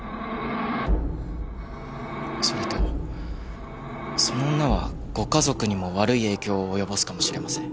それとその女はご家族にも悪い影響を及ぼすかもしれません。